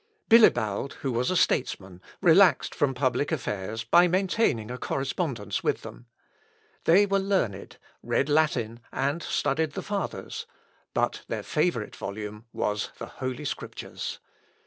Bilibald, who was a statesman, relaxed from public affairs by maintaining a correspondence with them. They were learned, read Latin, and studied the Fathers; but their favourite volume was the Holy Scriptures.